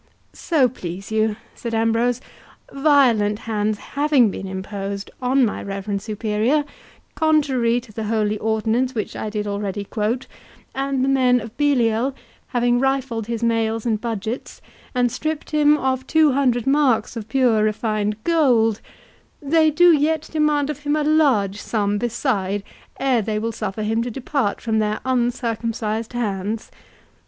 "So please you," said Ambrose, "violent hands having been imposed on my reverend superior, contrary to the holy ordinance which I did already quote, and the men of Belial having rifled his mails and budgets, and stripped him of two hundred marks of pure refined gold, they do yet demand of him a large sum beside, ere they will suffer him to depart from their uncircumcised hands.